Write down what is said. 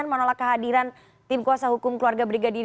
namun kami mengingat dari pemerintahan media gitu